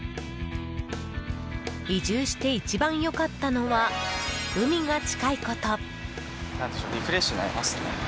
移住して、一番良かったのは海が近いこと。